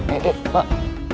eh eh pak